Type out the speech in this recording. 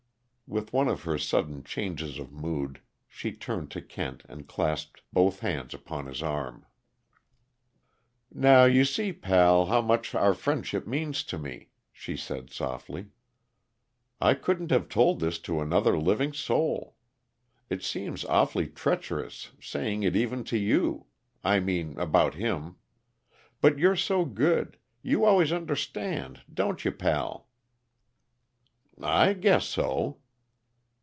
With one of her sudden changes of mood, she turned to Kent and clasped both hands upon his arm. "Now you see, pal, how much our friendship means to me," she said softly. "I couldn't have told this to another living soul! It seems awfully treacherous, saying it even to you I mean about him. But you're so good you always understand, don't you, pal?" "I guess so."